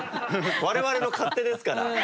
我々の勝手ですから。